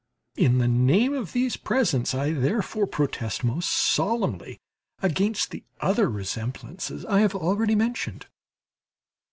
In the name of these presents I therefore protest most solemnly against the other resemblances I have already mentioned.